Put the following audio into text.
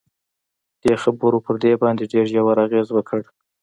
دې خبرو پر دوی باندې ډېر ژور اغېز وکړ